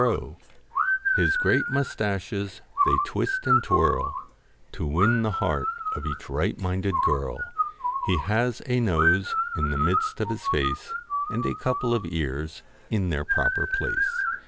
WITH His g rea t moustaches they twist and twirl, LOCKS To win the heart of eac ? 1 right minded girl. He has a nose in the midst of his face, And a couple of ears in their proper place.